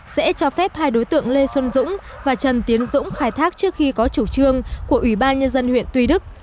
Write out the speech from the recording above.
sẽ cho phép hai đối tượng lê xuân dũng và trần tiến dũng khai thác trước khi có chủ trương của ủy ban nhân dân huyện tuy đức